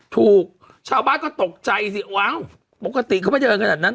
ถูกชาวบ้านก็ตกใจสิว้าวปกติเขาไม่เดินขนาดนั้น